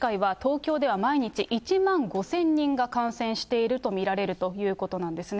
東京都医師会は、東京では毎日１万５０００人が感染していると見られるということなんですね。